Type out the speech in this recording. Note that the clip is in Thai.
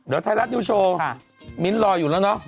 เดี๋ยวไทยรัฐนิวโชว์มิ้นท์รออยู่แล้วเนาะ